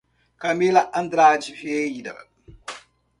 Camila Andrade Vieira